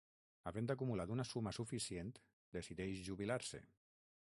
Havent acumulat una suma suficient, decideix jubilar-se.